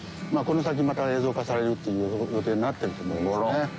まあこの先また映像化されるっていう予定になってると思いますね。